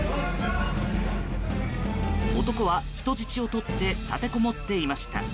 男は人質を取って立てこもっていました。